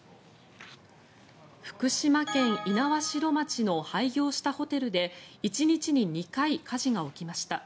福島県猪苗代町の廃業したホテルで１日に２回、火事が起きました。